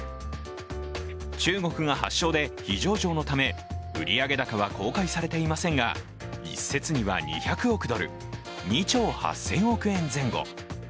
中国が発祥で、非上場のため、売上高は公開されていませんが、一説には２００億ドル、２兆８００億円前後。